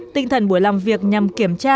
tinh thần buổi làm việc nhằm kiểm tra